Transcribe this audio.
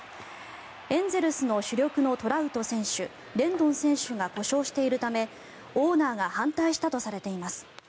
エンゼルスの主力のトラウト選手レンドン選手が故障しているためオーナーが反対したとされています。